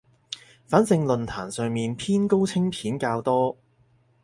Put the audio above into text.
反正論壇上面偏高清片較多